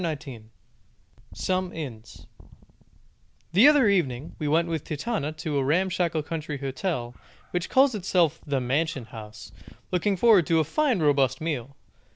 SOME INNS The other evening we went with Titania to a ramshackle country hotel which calls itself The Mansion House, looking forward to a fine robust meal.